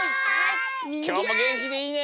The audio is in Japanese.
きょうもげんきでいいね！